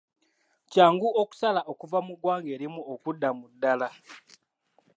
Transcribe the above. Kyangu okusala okuva mu ggwanga erimu okudda mu ddaala?